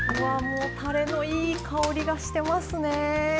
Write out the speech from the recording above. もうたれのいい香りがしてますね。